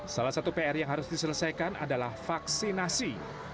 salah satu pr yang harus diselesaikan adalah vaksinasi